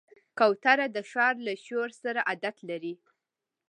کوتره د ښار له شور سره عادت لري.